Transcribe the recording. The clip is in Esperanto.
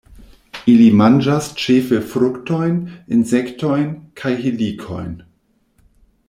Ili manĝas ĉefe fruktojn, insektojn kaj helikojn.